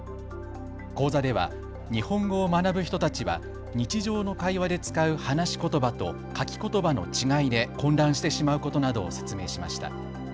講座では日本語を学ぶ人たちは日常の会話で使う話しことばと書きことばの違いで混乱してしまうことなどを説明しました。